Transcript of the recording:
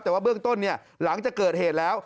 แต่ว่าเบื้องต้นเนี่ยหลังจากเกิดเหตุแล้ว